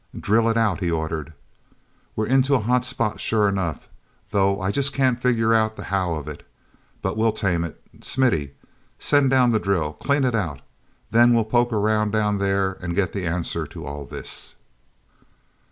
"Drill it out!" he ordered. "We're into a hot spot sure enough, though I can't just figure out the how of it. But we'll tame it, Smithy. Send down the drill. Clean it out. Then we'll poke around down there and get the answer to all this."